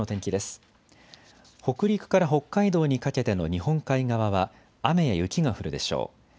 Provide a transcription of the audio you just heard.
北陸から北海道にかけての日本海側は雨や雪が降るでしょう。